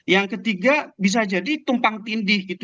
yang ketiga bisa jadi tumpang tindih gitu